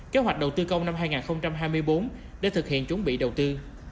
kế hoạch đầu tư công năm hai nghìn hai mươi bốn để thực hiện chuẩn bị đầu tư